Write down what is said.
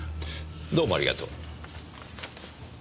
どうもありがとう。